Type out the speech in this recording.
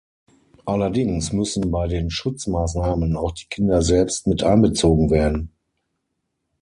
Allerdings müssen bei den Schutzmaßnahmen auch die Kinder selbst mit einbezogen werden.